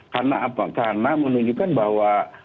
karena apa karena menunjukkan bahwa